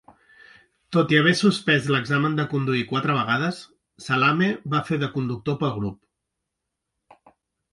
Tot i haver suspès l'examen de conduir quatre vegades, Salameh va fer de conductor pel grup.